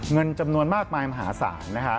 เงินจำนวนมากมายมหาศาล